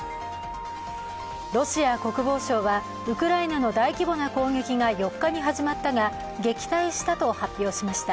ロシア国防省はウクライナの大規模な攻撃が４日に始まったが撃退したと発表しました。